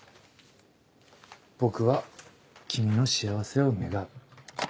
僕は君の幸せを願う。